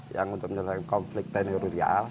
yang untuk menyelenggara konflik teknologi